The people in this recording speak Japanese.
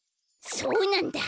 そうなんだ！